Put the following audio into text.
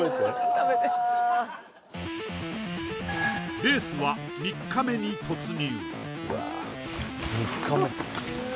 食べてレースは三日目に突入